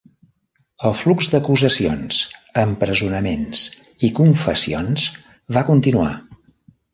El flux d'acusacions, empresonaments i confessions va continuar.